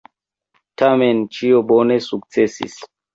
Tamen ĉio bone sukcesis.